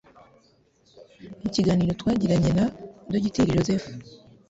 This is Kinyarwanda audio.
Mu kiganiro twagiranye na Dogiteri Joseph